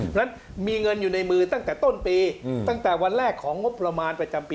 เพราะฉะนั้นมีเงินอยู่ในมือตั้งแต่ต้นปีตั้งแต่วันแรกของงบประมาณประจำปี